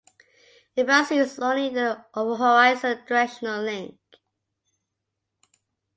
It first used only an overhorizon directional link.